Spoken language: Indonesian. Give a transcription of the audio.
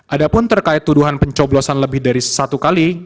ada pun terkait tuduhan pencoblosan lebih dari satu kali